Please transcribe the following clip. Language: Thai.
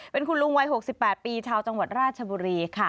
เป็นคุณลุงวัย๖๘ปีชาวจังหวัดราชบุรีค่ะ